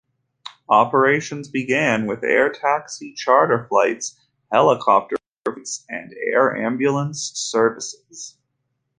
Operations began with air taxi, charter flights, helicopter flights and air ambulance services.